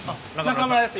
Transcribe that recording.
中村です